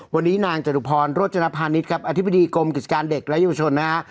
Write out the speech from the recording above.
วันนี้นางจตุพรโรจนพาณิชย์ครับอธิบดีกรมกิจการเด็กและเยาวชนนะฮะ